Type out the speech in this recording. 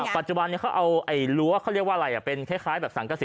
ปัจจุบันเขาเอารั้วเขาเรียกว่าอะไรเป็นคล้ายแบบสังกษี